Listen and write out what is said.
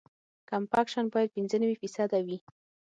کمپکشن باید پینځه نوي فیصده وي